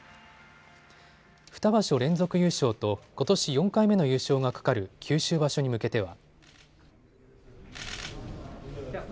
２場所連続優勝とことし４回目の優勝がかかる九州場所に向けては。